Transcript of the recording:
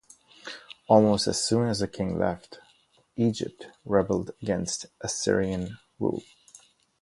Almost as soon as the king left, Egypt rebelled against Assyrian rule.